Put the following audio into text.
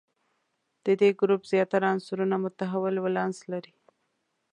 د دې ګروپ زیاتره عنصرونه متحول ولانس لري.